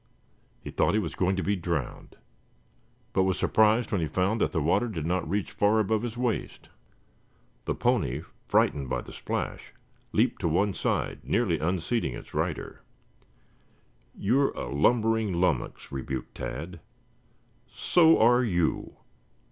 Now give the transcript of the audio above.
He thought he was going to be drowned, but was surprised when he found that the water did not reach far above his waist. The pony, frightened by the splash, leaped to one side, nearly unseating its rider. "You're a lumbering lummox," rebuked Tad. "So are you.